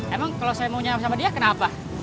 emang kalau saya mau nyampe nyampe dia kenapa